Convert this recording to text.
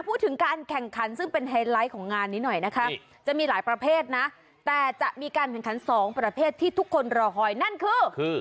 พูดถึงการแข่งขันซึ่งเป็นไฮไลท์ของงานนี้หน่อยนะคะจะมีหลายประเภทนะแต่จะมีการแข่งขันสองประเภทที่ทุกคนรอคอยนั่นคือคือ